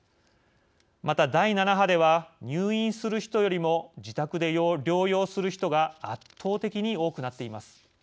また、第７波では入院する人よりも自宅で療養する人が圧倒的に多くなっています。